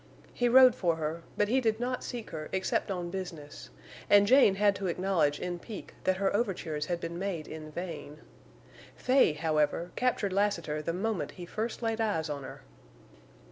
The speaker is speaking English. He rode for her, but he did not seek her except on business; and Jane had to acknowledge in pique that her overtures had been made in vain. Fay, however, captured Lassiter the moment he first laid eyes on her.